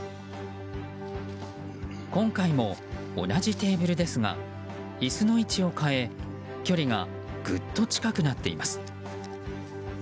今回も同じテーブルですが椅子の位置を変え距離がぐっと近くなっています。